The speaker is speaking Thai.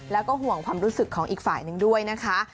แล้วก็ห่วงความรู้สึกของอีกฝ่ายนึงด้วยนะคะ